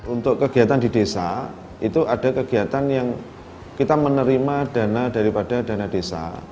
untuk kegiatan di desa itu ada kegiatan yang kita menerima dana daripada dana desa